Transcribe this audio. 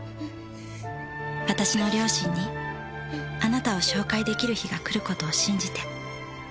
「私の両親にあなたを紹介できる日が来る事を信じて。もなみ」